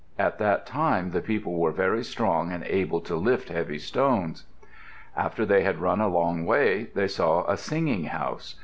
At that time the people were very strong and able to lift heavy stones. After they had run a long way, they saw a singing house.